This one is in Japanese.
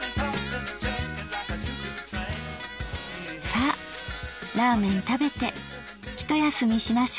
さあラーメン食べてひと休みしましょうか。